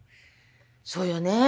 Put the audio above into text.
そうよね。